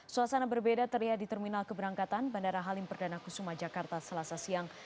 suasana berbeda terlihat di terminal keberangkatan bandara halim perdana kusuma jakarta selasa siang